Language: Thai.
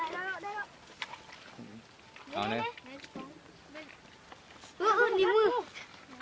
ได้ละหรอกได้หรอก